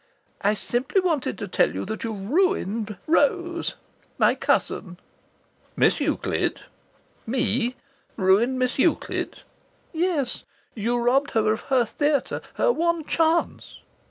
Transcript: I simply wanted to tell you that you've ruined Rose my cousin." "Miss Euclid? Me ruined Miss Euclid!" "Yes. You robbed her of her theatre her one chance."